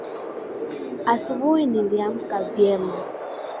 asubuhi niliamka vyema